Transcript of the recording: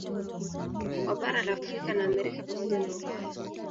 Kwa bara la Afrika na Amerika pamoja na Ulaya